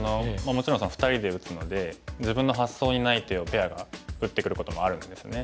もちろん２人で打つので自分の発想にない手をペアが打ってくることもあるんですね。